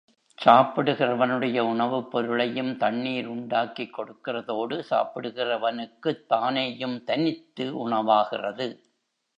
சாப்பிடுகிறவனுடைய உணவுப் பொருளையும் தண்ணீர் உண்டாக்கிக் கொடுக்கிறதோடு சாப்பிடுகிறவனுக்குத் தானேயும் தனித்து உணவாகிறது.